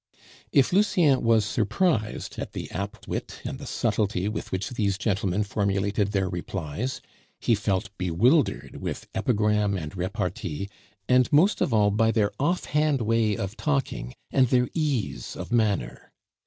If Lucien was surprised at the apt wit and the subtlety with which these gentlemen formulated their replies, he felt bewildered with epigram and repartee, and, most of all, by their offhand way of talking and their ease of manner.